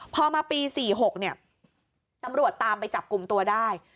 พอมาปี๔๖เนี่ยตำรวจตามไปจับกลุ่มตัวได้